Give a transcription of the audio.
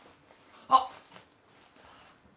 あっ！